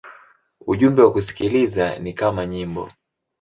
Ujumbe wa kusikiliza ni kama nyimbo.